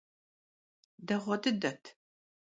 Değue dıdet.